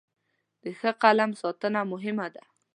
د ښه قلم ساتنه مهمه ده.